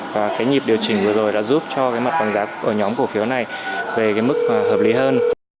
và cái nhịp điều chỉnh vừa rồi đã giúp cho cái mặt bằng giá của nhóm cổ phiếu này về cái mức hợp lý hơn